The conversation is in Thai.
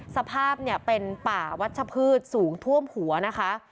สภาพเป็นป่าวัชพฤษสูงท่วมหัวนะคะ